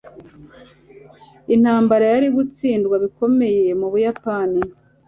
Intambara yari gutsindwa bikomeye mubuyapani.